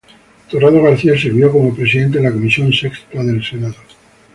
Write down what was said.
Torrado García sirvió como presidente de la comisión sexta del senado.